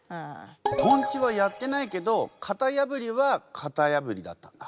とんちはやってないけどかたやぶりはかたやぶりだったんだ。